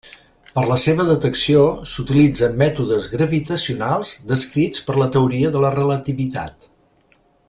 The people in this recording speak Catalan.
Per a la seva detecció s'utilitzen mètodes gravitacionals descrits per la teoria de la relativitat.